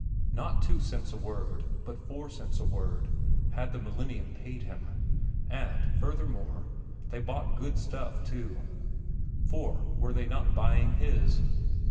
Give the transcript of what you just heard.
Not two cents a word, but four cents a word, had The Millennium paid him. And, furthermore, they bought good stuff, too, for were they not buying his?